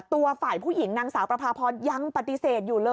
ตัวฝ่ายผู้หญิงนางสาวประพาพรยังปฏิเสธอยู่เลย